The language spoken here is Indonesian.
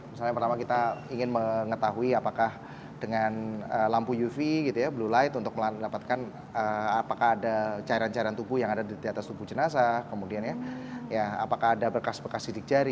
misalnya pertama kita ingin mengetahui apakah dengan lampu uv gitu ya blue light untuk mendapatkan apakah ada cairan cairan tubuh yang ada di atas tubuh jenazah kemudian ya apakah ada bekas bekas sidik jari